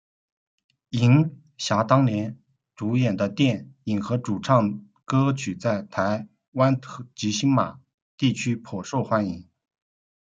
银霞当年主演的电影和主唱歌曲在台湾及星马地区颇受欢迎。